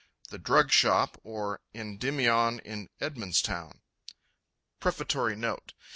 The Drug Shop, or, Endymion in Edmonstoun Prefatory Note.